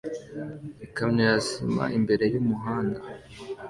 Ikamyo ya sima imbere yumuhanda